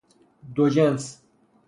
دوجنس